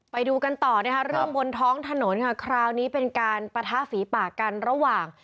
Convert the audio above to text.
ไปดูกันต่อนะคะเรื่องบนท้องถนนค่ะคราวนี้เป็นการปะทะฝีปากกันระหว่าง